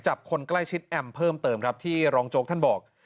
จับคนใกล้ชิ้นแอมเพิ่มเติมที่รองโจ๊กท่านบอก